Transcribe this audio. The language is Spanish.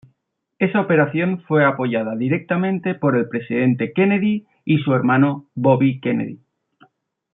Esa operación fue apoyada directamente por el presidente Kennedy y su hermano Bobby Kennedy.